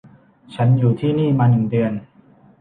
ฉันอยู่ที่นี่มาหนึ่งเดือน